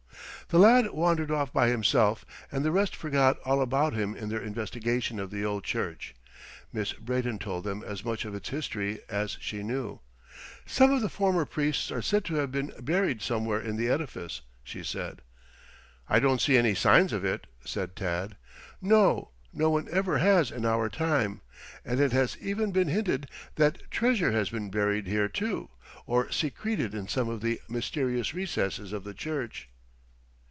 The lad wandered off by himself, and the rest forgot all about him in their investigation of the old church. Miss Brayton told them as much of its history as she knew. "Some of the former priests are said to have been buried somewhere in the edifice," she said. "I don't see any signs of it," said Tad. "No. No one ever has in our time. And it has even been hinted that treasure has been buried here, too, or secreted in some of the mysterious recesses of the church."